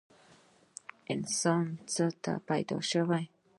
انسان څه ته پیدا شوی دی؟